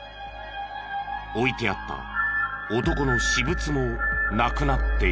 置いてあった男の私物もなくなっている。